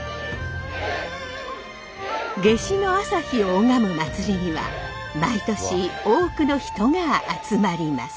夏至の朝日を拝む祭りには毎年多くの人が集まります。